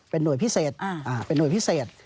เป็นหน่วยพิเศษ